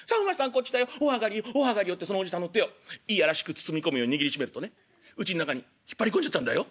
こっちだよお上がりよお上がりよ』ってそのおじさんの手を嫌らしく包み込むように握りしめるとねうちん中に引っ張り込んじゃったんだよ」。